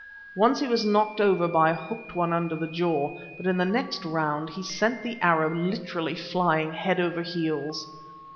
Once he was knocked over by a hooked one under the jaw, but in the next round he sent the Arab literally flying head over heels.